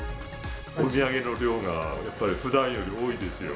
お土産の量が、やっぱりふだんより多いですよ。